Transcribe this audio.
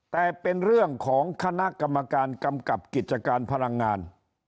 แต่เป็นเรื่องของคณะกรรมการกำกับกิจการพลังงาน